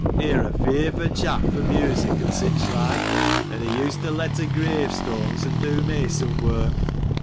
He 're a fyrfo chap for music, an' sich like ; an' he used to let ter grave stones, an' do mason wark.